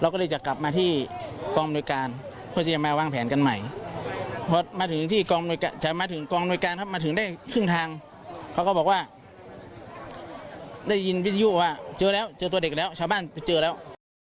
เราก็เลยจะกลับมาที่กองมนุษยการเพื่อที่จะมาวางแผนกันใหม่เพราะมาถึงที่กองมนุษยการมาถึงได้ครึ่งทางเขาก็บอกว่าได้ยินวิทยุว่าเจอแล้วเจอตัวเด็กแล้วชาวบ้านเจอแล้ว